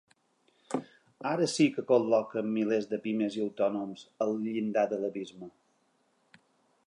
Ara sí que col·loquen milers de pimes i autònoms al llindar de l’abisme.